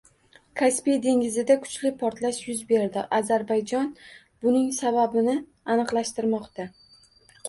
Kaspiy dengizida kuchli portlash yuz berdi. Ozarboyjon buning sababini aniqlashtirmoqda